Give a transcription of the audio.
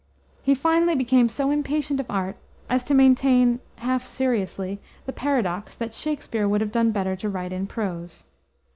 He finally became so impatient of art as to maintain half seriously the paradox that Shakspere would have done better to write in prose.